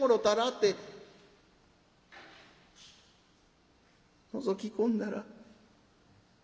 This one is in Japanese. ってのぞき込んだら